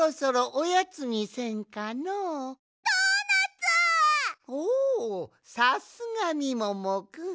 おおさすがみももくん！